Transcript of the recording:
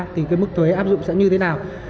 thì cái mức thuế áp dụng sẽ như thế nào